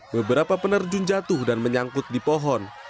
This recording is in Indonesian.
beberapa penerjun jatuh dan menyangkut di pohon